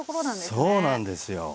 そうなんですよ。